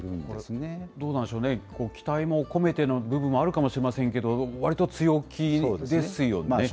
これ、どうなんでしょうね、期待も込めての部分もあるかもしれませんけれども、わりと強気ですよね。